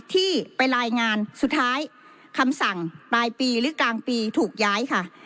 ที่ไปรายงานสุดท้ายคำสั่งปลายปีหรือกลางปีถูกย้ายค่ะ